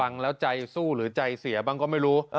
ฟังแล้วใจสู้หรือใจเสียบ้างก็ไม่รู้